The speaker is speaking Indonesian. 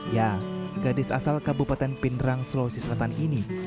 ya gadis asal kabupaten pindrang sulawesi selatan ini